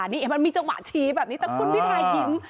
นี่มันมีเจ้าหมาชี้แบบนี้แต่คุณพี่พายยิ้ม